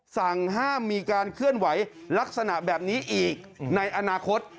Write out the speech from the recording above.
สั่งห้ามมีการเคลื่อนไหวลักษณะแบบนี้อีกในอนาคต